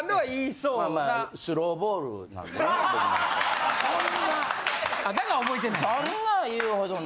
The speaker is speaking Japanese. そんなん言うほどの。